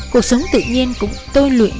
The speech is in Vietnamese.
cuộc sống tự nhiên cũng tơi luyện